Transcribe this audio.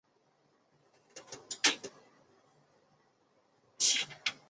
经略使是中华民国北洋政府时期的一种地区性军政职务。